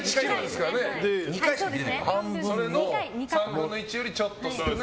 半分の３分の１よりちょっと少ない。